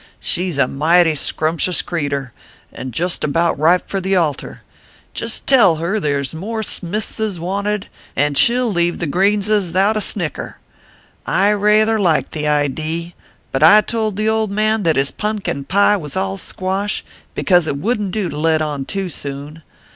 She s a mighty scrumptious creetur, and just about ripe for the altar. Jest tell her there s more Smithses wanted an she ll leave the Greenses thout a snicker. I rayther liked the idee : but I told the old man that his punkin pie was all squash ; because it wouldn t do to let on too soon.